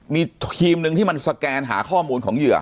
มีทีมหนึ่งที่มันสแกนหาข้อมูลของเหยื่อ